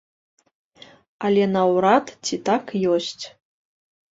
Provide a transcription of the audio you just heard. Але наўрад ці так ёсць.